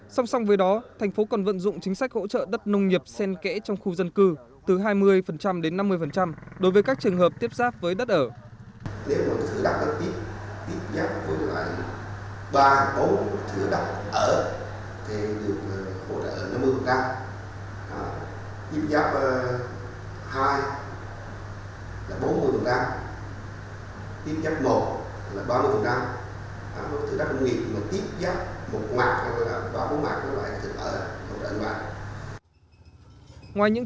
song song với đó thành phố còn vận dụng chính sách hỗ trợ đất nông nghiệp sen kẽ trong khu dân cư từ hai mươi đến năm mươi đối với các trường hợp tiếp giáp với đất ở